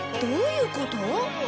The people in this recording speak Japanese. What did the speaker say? どういうこと？